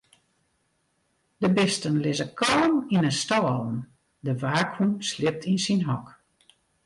De bisten lizze kalm yn 'e stâlen, de waakhûn sliept yn syn hok.